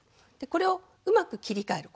これをうまく切り替える。